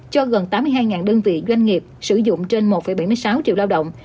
cho gần tám mươi hai đơn vị doanh nghiệp sử dụng trên một bảy mươi sáu triệu lao động